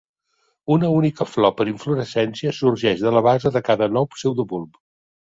Una única flor per inflorescència sorgeix de la base de cada nou pseudobulb.